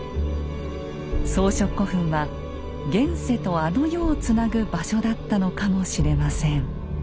装飾古墳は現世とあの世をつなぐ場所だったのかもしれません。